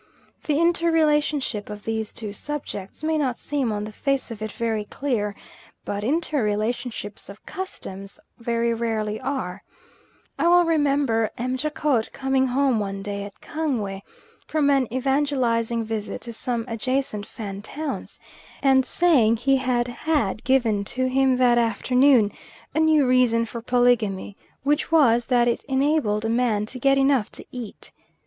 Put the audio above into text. The inter relationship of these two subjects may not seem on the face of it very clear, but inter relationships of customs very rarely are; I well remember M. Jacot coming home one day at Kangwe from an evangelising visit to some adjacent Fan towns, and saying he had had given to him that afternoon a new reason for polygamy, which was that it enabled a man to get enough to eat.